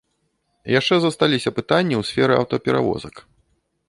Яшчэ засталіся пытанні ў сферы аўтаперавозак.